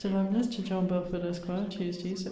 LOVELACE, TO JOHN BELFORD, ESQ. TUESDAY, SEPT.